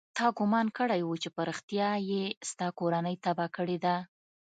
تا ګومان کړى و چې په رښتيا يې ستا کورنۍ تباه کړې ده.